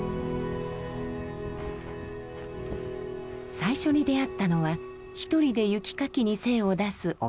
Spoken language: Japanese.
最初に出会ったのは１人で雪かきに精を出すおばあちゃん。